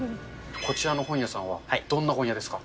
こちらの本屋さんは、どんな本屋ですか？